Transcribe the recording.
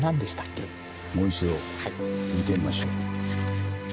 もう一度見てみましょう。